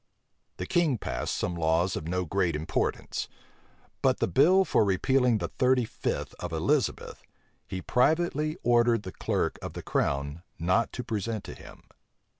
The king passed some laws of no great importance: but the bill for repealing the thirty fifth of Elizabeth, he privately ordered the clerk of the crown not to present to him.